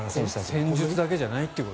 戦術だけじゃないと。